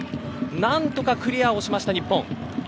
何とかクリアした日本。